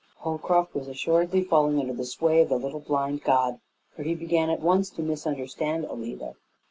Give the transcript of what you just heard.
Holcroft was assuredly falling under the sway of the little blind god, for he began at once to misunderstand Alida.